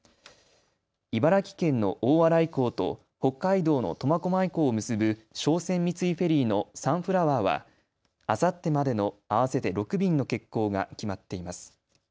茨城県の大洗港と北海道の苫小牧港を結ぶ商船三井フェリーのさんふらわあはあさってまでの合わせて６便の欠航が決まっています。